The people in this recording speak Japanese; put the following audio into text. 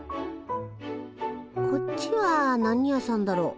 こっちは何屋さんだろう？